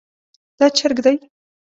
دا چرګ دی